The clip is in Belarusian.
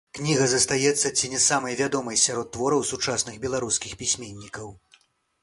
Кніга застаецца ці не самай вядомай сярод твораў сучасных беларускіх пісьменнікаў.